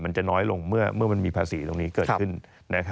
มันจะน้อยลงเมื่อมันมีภาษีตรงนี้เกิดขึ้น